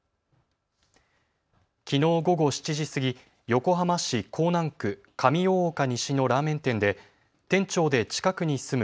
きのう午後７時過ぎ、横浜市港南区上大岡西のラーメン店で店長で近くに住む